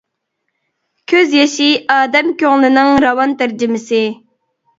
كۆز يېشى ئادەم كۆڭلىنىڭ راۋان تەرجىمىسى.